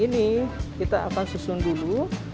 ini kita akan susun dulu